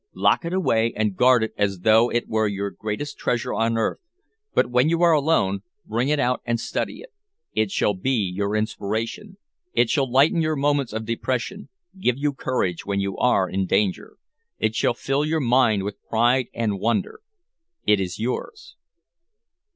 Lock it away and guard it as though it were your greatest treasure on earth, but when you are alone, bring it out and study it. It shall be your inspiration, it shall lighten your moments of depression, give you courage when you are in danger; it shall fill your mind with pride and wonder. It is yours."